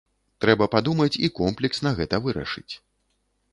Трэба падумаць і комплексна гэта вырашыць.